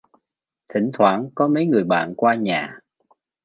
Thỉnh thoảng có mấy người bạn qua nhà